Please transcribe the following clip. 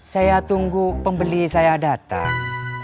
saya tunggu pembeli saya datang